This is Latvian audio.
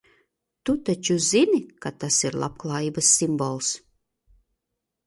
Tu taču zini, ka tas ir labklājības simbols?